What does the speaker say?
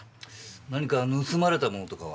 何か盗まれたものとかは？